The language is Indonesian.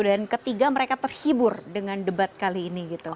dan ketiga mereka terhibur dengan debat kali ini gitu